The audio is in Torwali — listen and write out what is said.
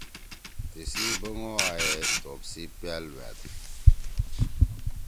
تیسی بنگوا ئے توپ سئ پأل وأد۔